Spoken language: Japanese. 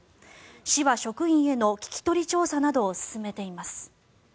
市は職員への聞き取り調査などを進めています。